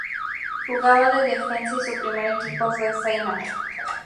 Jugaba de defensa y su primer equipo fue Feyenoord.